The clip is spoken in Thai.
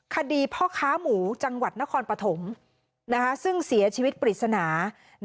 คดีพ่อค้าหมูจังหวัดนครปฐมซึ่งเสียชีวิตปริศนา